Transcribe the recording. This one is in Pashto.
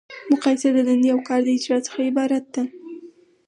مقایسه د دندې او کار له اجرا څخه عبارت ده.